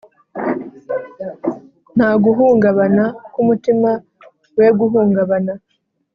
nta guhungabana kumutima we guhungabana